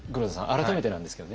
改めてなんですけどね